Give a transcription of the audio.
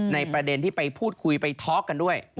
ประเด็นที่ไปพูดคุยไปท็อกกันด้วย